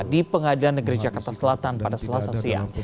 di pengadilan negeri jakarta selatan pada selasa siang